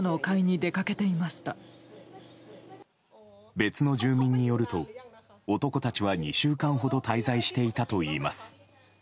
別の住民によると男たちは２週間ほど滞在していたといいます。